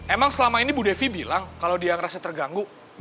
emang selama ini bu devi bilang kalau dia ngerasa terganggu